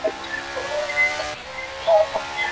সুরিয়া, তাকে ছেড়ে দাও।